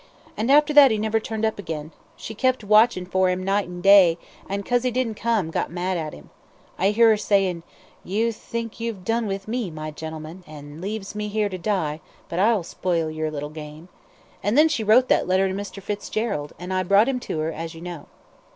"An' after that he never turned up again. She kept watchin' for him night an' day, an' 'cause he didn't come, got mad at him. I hear her sayin', 'You think you've done with me, my gentleman, an' leaves me here to die, but I'll spoil your little game,' an' then she wrote that letter to Mr. Fitzgerald, an' I brought him to her, as you know."